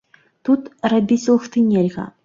Тут рабіць лухты нельга.